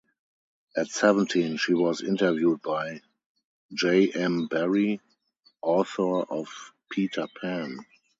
At seventeen, she was interviewed by J. M. Barrie, author of "Peter Pan".